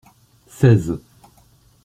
Seize.